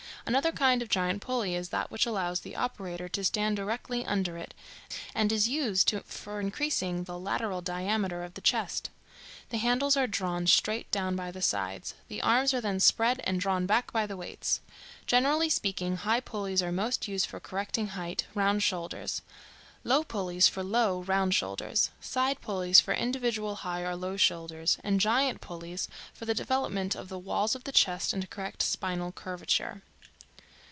Another kind of giant pulley is that which allows the operator to stand directly under it, and is used for increasing the lateral diameter of the chest. The handles are drawn straight down by the sides, the arms are then spread and drawn back by the weights. Generally speaking, high pulleys are most used for correcting high, round shoulders; low pulleys for low, round shoulders; side pulleys for individual high or low shoulders, and giant pulleys for the development of the walls of the chest and to correct spinal curvature.